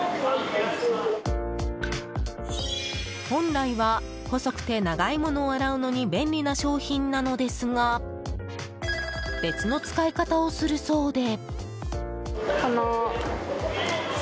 本来は、細くて長いものを洗うのに便利な商品なのですが別の使い方をするそうで。